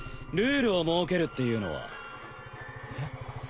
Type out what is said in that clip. ルールを設けるっていうのはえっ？